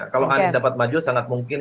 kalau anies dapat maju sangat mungkin